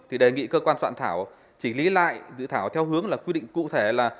thì đề nghị cơ quan soạn thảo chỉnh lý lại dự thảo theo hướng là quy định cụ thể là